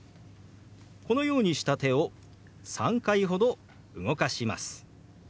このようにした手を３回ほど動かします。